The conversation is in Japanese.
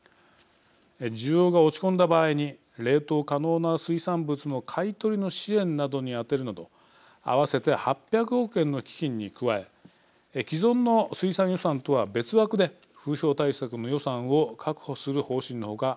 需要が落ち込んだ場合に冷凍可能な水産物の買い取りの支援などに充てるなど合わせて８００億円の基金に加え既存の水産予算とは別枠で風評対策の予算を確保する方針の他